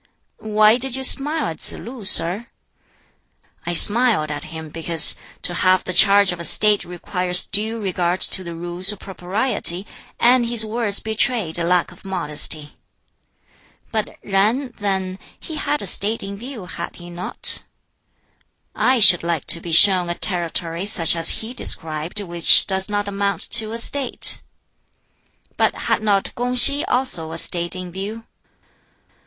"Why did you smile at Tsz lu, sir?" "I smiled at him because to have the charge of a State requires due regard to the Rules of Propriety, and his words betrayed a lack of modesty." "But Yen, then he had a State in view, had he not?" "I should like to be shown a territory such as he described which does not amount to a State." "But had not Kung si also a State in view?"